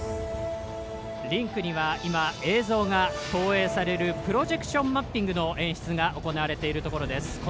リンクには映像が投影されるプロジェクションマッピングの演出が行われているところです。